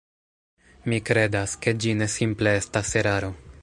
Mi kredas, ke ĝi ne simple estas eraro.